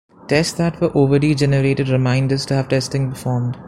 Tests that were overdue generated reminders to have testing performed.